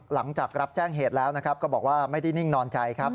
หลังจากรับแจ้งเหตุแล้วนะครับก็บอกว่าไม่ได้นิ่งนอนใจครับ